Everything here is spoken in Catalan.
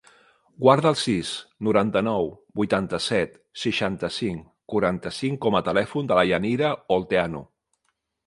Guarda el sis, noranta-nou, vuitanta-set, seixanta-cinc, quaranta-cinc com a telèfon de la Yanira Olteanu.